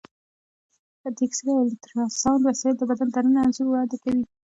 د ایکسرې او الټراساونډ وسایل د بدن دننه انځور وړاندې کوي.